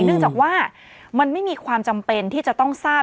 เนื่องจากว่ามันไม่มีความจำเป็นที่จะต้องทราบ